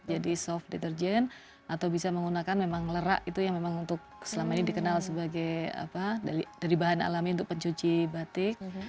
jadi soft deterjen atau bisa menggunakan memang lerak itu yang memang untuk selama ini dikenal sebagai apa dari bahan alami untuk pencuci batik